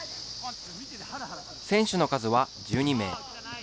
選手の数は１２名。